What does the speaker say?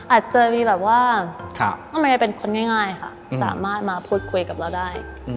อาจจะมีแบบว่าทำไมเป็นคนง่ายค่ะสามารถมาพูดคุยกับเราได้